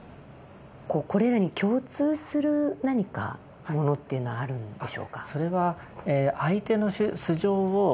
これらに共通する何かものっていうのはあるんでしょうか。